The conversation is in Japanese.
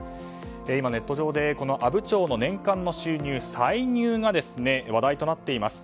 今、ネット上で阿武町の年間の収入歳入が話題となっています。